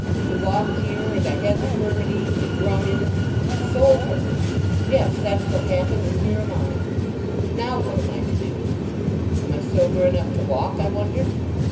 We walked here, and I had the furmity, and rum in it—and sold her. Yes, that's what's happened and here am I. Now, what am I to do—am I sober enough to walk, I wonder?"